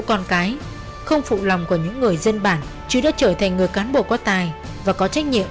con cái không phụ lòng của những người dân bản chứ đã trở thành người cán bộ có tài và có trách nhiệm